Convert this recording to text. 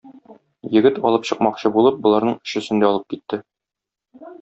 Егет, алып чыкмакчы булып, боларның өчесен дә алып китте.